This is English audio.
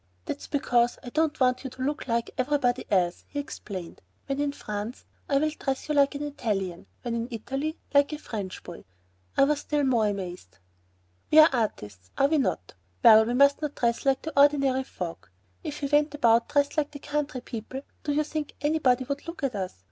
"That's because I don't want you to look like everybody else," he explained. "When in France I'll dress you like an Italian; when in Italy, like a French boy." I was still more amazed. "We are artistes, are we not? Well, we must not dress like the ordinary folk. If we went about dressed like the country people, do you think anybody would look at us?